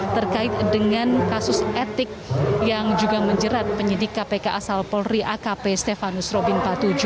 terkait dengan kasus etik yang juga menjerat penyidik kpk asal polri akp stefanus robin patuju